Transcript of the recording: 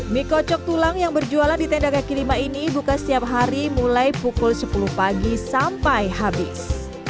mie kocok tulang yang berjualan di tenda kaki lima ini buka setiap hari mulai pukul sepuluh pagi sampai habis